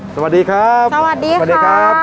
สวัสดีครับ